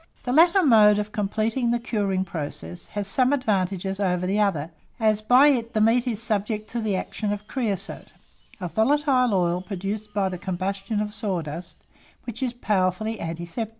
The latter mode of completing the curing process has some advantages over the other, as by it the meat is subject to the action of creosote, a volatile oil produced by the combustion of the sawdust, which is powerfully antiseptic.